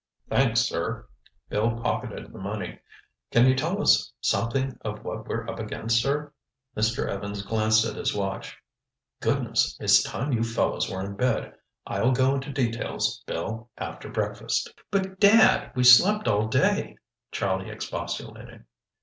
"Thanks, sir." Bill pocketed the money. "Can you tell us something of what we're up against, sir?" Mr. Evans glanced at his watch. "Goodness! It's time you fellows were in bed. I'll go into details, Bill, after breakfast." "But, Dad, we slept all day!" Charlie expostulated.